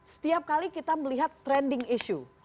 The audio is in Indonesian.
setiap kali kita melihat trending issue